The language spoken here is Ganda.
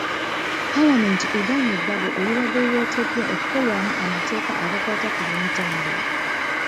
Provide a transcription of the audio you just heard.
Paalamenti egaanye ebbago eribadde lireeteddwa okukolwamu amateeka agakwata ku by'entambula.